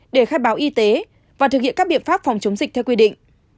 để khai báo y tế và thực hiện các biện pháp phòng chống dịch theo quy định